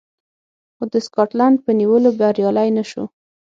خو د سکاټلنډ په نیولو بریالی نه شو